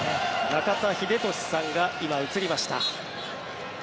中田英寿さんが今映りました。